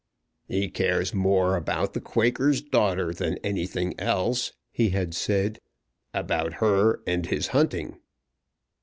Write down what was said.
"He cares more about the Quaker's daughter than anything else," he had said, "about her and his hunting.